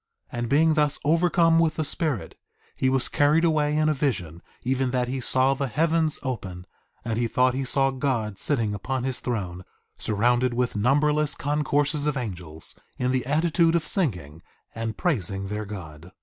1:8 And being thus overcome with the Spirit, he was carried away in a vision, even that he saw the heavens open, and he thought he saw God sitting upon his throne, surrounded with numberless concourses of angels in the attitude of singing and praising their God.